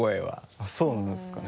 あっそうなんですかね？